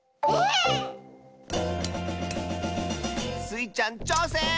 ⁉スイちゃんちょうせん！